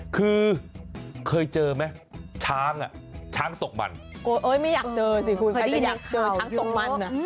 คือเคยเจอไหมช้างอ่ะช้างช้างตกมันโอ้เอ้ยไม่อยากเจอสิคุณใครจะอยากเจอช้างตกมันอ่ะ